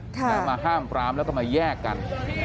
มาห้ามปรามแล้วก็มาแยกกัน